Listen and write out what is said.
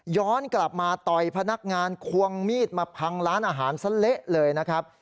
ย้อนกลับมาต่อยพนักงานควงมีดมาพังร้านอาหารซะเละเลยนะครับ